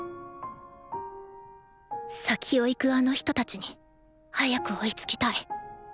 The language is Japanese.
先を行くあの人たちに早く追いつきたい。